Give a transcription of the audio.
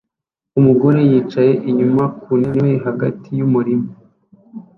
Umugore yicaye inyuma ku ntebe hagati yumurima